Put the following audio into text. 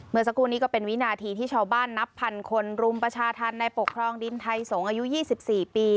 เมื่อสักครู่นี้ก็เป็นวินาทีที่ชาวบ้านนับพันคนรุมประชาธรรมในปกครองดินไทยสงฆ์อายุ๒๔ปี